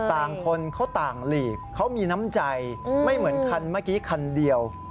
ต่างคนเขาต่างหลีกเขามีน้ำใจไม่เหมือนคันเมื่อกี้คันเดียว